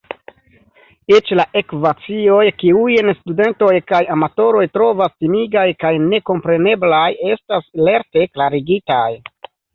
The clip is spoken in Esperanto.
Eĉ la ekvacioj, kiujn studentoj kaj amatoroj trovas timigaj kaj nekompreneblaj, estas lerte klarigitaj.